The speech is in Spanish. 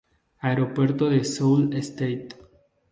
Aeropuerto de Sault Ste.